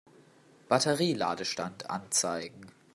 Batterie-Ladestand anzeigen.